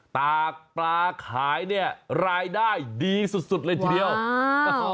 ตากปลาขายเนี่ยรายได้ดีสุดสุดเลยทีเดียวอ่า